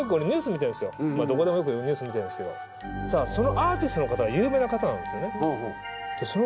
どこでもよくニュース見てるんすけどそのアーティストの方が有名な方なんですよね。